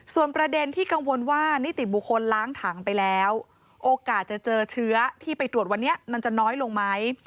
ส่วนประเด็นที่กังวลว่านิติบุคคลล้างถังไปแล้วโอกาสจะเจอเชื้อที่ไปตรวจวันนี้มันจะน้อยลงไหม